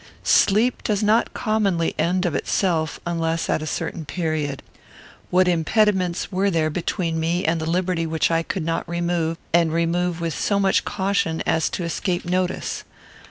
Sleep does not commonly end of itself, unless at a certain period. What impediments were there between me and liberty which I could not remove, and remove with so much caution as to escape notice?